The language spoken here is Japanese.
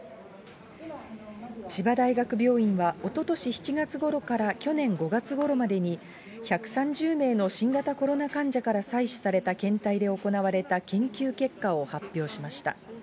千葉大学病院は、おととし７月ごろから去年５月ごろまでに、１３０名の新型コロナ患者から採取された検体で行われた研究結果を発表しました。